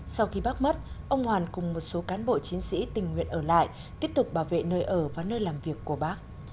sau khi bác mất ông hoàn cùng một số cán bộ chiến sĩ tình nguyện ở lại tiếp tục bảo vệ nơi ở và nơi làm việc của bác